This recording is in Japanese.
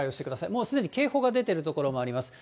もうすでに警報が出ている所もあります。